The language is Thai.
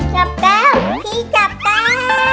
จับแก้วพี่จับแก้ว